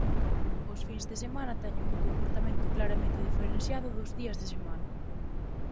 Os fins de semana teñen un comportamento claramente diferenciado dos días de semana.